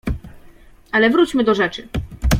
"Ale wróćmy do rzeczy."